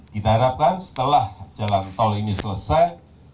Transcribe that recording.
kita harapkan setelah jalan tol ini selesai